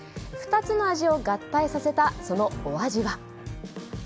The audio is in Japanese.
２つの味を合体させたそのお味は？